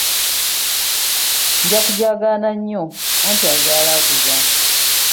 Nja kujaagaana nnyo anti azaala akuza.